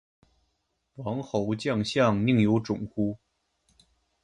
王侯将相，宁有种乎